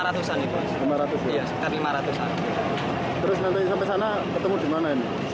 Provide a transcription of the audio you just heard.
terus nanti sampai sana ketemu di mana ini